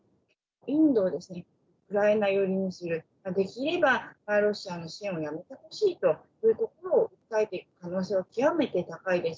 インドをウクライナ寄りにする、できればロシアの支援をやめてほしいということを訴えていく可能